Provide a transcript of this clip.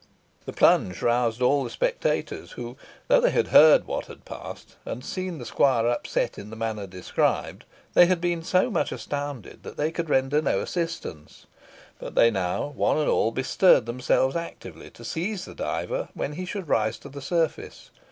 The plunge roused all the spectators, who, though they had heard what had passed, and had seen the squire upset in the manner described, had been so much astounded that they could render no assistance; but they now, one and all, bestirred themselves actively to seize the diver when he should rise to the surface.